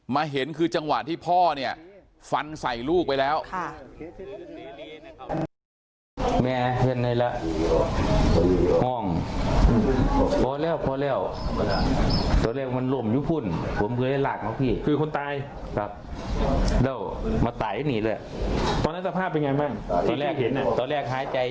เห็นคือจังหวะที่พ่อเนี่ยฟันใส่ลูกไปแล้ว